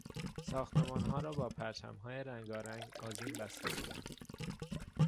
ساختمانها را با پرچمهای رنگارنگ آذین بسته بودند.